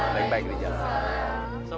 baik baik di jalan